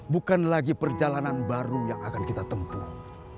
bukan lagi perjalanan baru yang akan kita tempuh